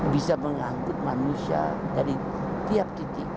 bisa mengangkut manusia dari tiap titik